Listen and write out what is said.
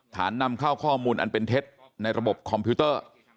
นำเข้าข้อมูลอันเป็นเท็จในระบบคอมพิวเตอร์